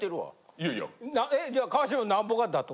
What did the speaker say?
いやいや。えじゃあ川島なんぼが妥当？